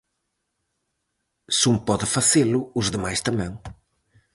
Se un pode facelo, os demais tamén.